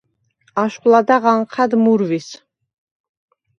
აშხვ ლადა̈ღ ანჴა̈დ მურვის.